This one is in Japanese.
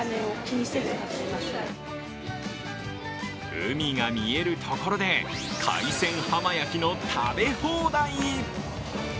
海が見えるところで海鮮浜焼きの食べ放題。